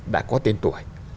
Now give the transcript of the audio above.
đã có tên tuổi